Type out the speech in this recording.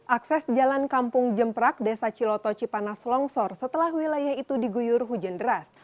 akses jalan kampung jemprak desa ciloto cipanas longsor setelah wilayah itu diguyur hujan deras